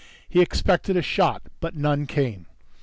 He expected a shot, but none came.